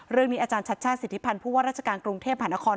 เรื่องนี้อาจารย์ชัดสิทธิพันธ์พูดว่าราชการกรุงเทพหานคร